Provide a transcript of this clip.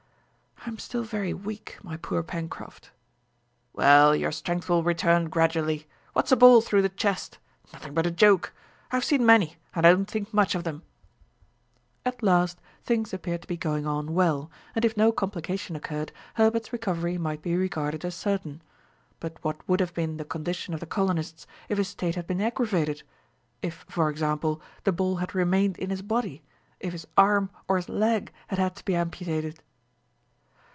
"I am still very weak, my poor Pencroft!" "Well! your strength will return gradually! What's a ball through the chest? Nothing but a joke! I've seen many, and I don't think much of them!" At last things appeared to be going on well, and if no complication occurred, Herbert's recovery might be regarded as certain. But what would have been the condition of the colonists if his state had been aggravated, if, for example, the ball had remained in his body, if his arm or his leg had had to be amputated?